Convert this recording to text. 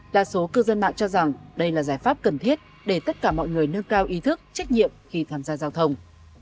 đa số cư dân mạng cho rằng đây là giải pháp cần thiết để tất cả mọi người nâng cao ý thức trách nhiệm khi tham gia giao thông